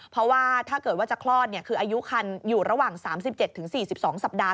เพราะว่าถ้าเกิดว่าจะคลอดคืออายุคันอยู่ระหว่าง๓๗๔๒สัปดาห์